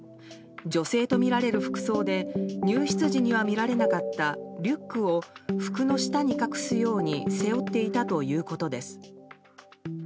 女性とみられる服装で入室時には見られなかったリュックを服の下に隠すように背負っていたということです。